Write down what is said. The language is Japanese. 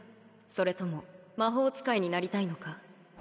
それとも魔法使いになりたいのか？